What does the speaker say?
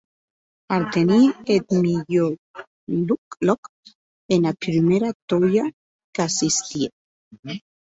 Artenhie eth milhor lòc ena prumèra tòia qu’assistie!